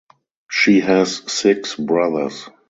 She has six brothers.